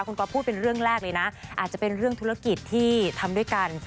คุณก๊อฟพูดเป็นเรื่องแรกเลยนะอาจจะเป็นเรื่องธุรกิจที่ทำด้วยกัน